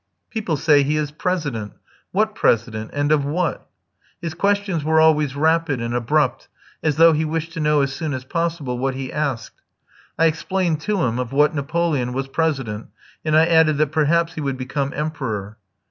"People say he is President. What President and of what?" His questions were always rapid and abrupt, as though he wished to know as soon as possible what he asked. I explained to him of what Napoleon was President, and I added that perhaps he would become Emperor.